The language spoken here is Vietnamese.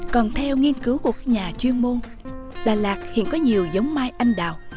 còn theo nghiên cứu của các nhà chuyên môn đà lạt hiện có nhiều giống mai anh đào